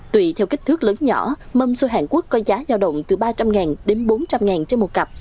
tùy theo kích thước lớn nhỏ mâm xôi hàn quốc có giá giao động từ ba trăm linh đến bốn trăm linh trên một cặp